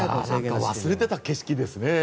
忘れてた景色ですね。